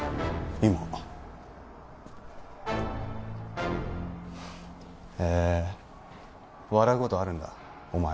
今へえ笑うことあるんだお前も